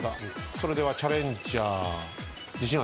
それではチャレンジャー自信ある？